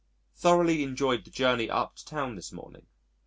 Thoroughly enjoyed the journey up to town this morning.